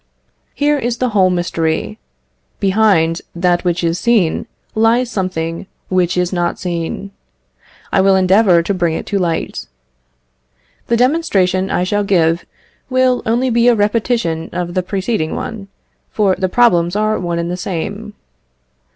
Here is the whole mystery: behind that which is seen lies something which is not seen. I will endeavour to bring it to light. The demonstration I shall give will only be a repetition of the preceding one, for the problems are one and the same.